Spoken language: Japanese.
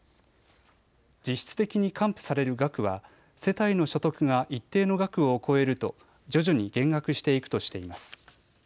実質的に還付される額は世帯の所得が一定の額を超えると徐々に減額していくとしています。